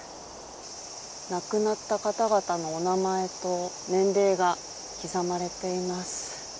亡くなった方々のお名前と年齢が刻まれています。